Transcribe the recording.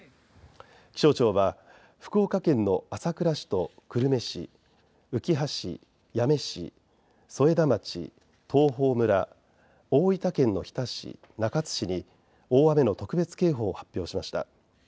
気象庁は、福岡県の朝倉市と久留米市うきは市、八女市、添田町東峰村大分県の日田市、中津市に大雨の特別警報を発表しました。